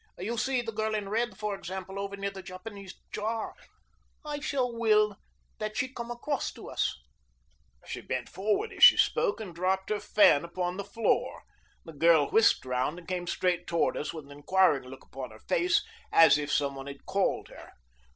You see the girl in red, for example, over near the Japanese jar. I shall will that she come across to us." She bent forward as she spoke and dropped her fan upon the floor. The girl whisked round and came straight toward us, with an enquiring look upon her face, as if some one had called her.